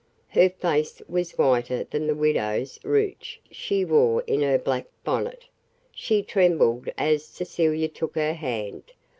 Her face was whiter than the widow's ruche she wore in her black bonnet. She trembled as Cecilia took her hand.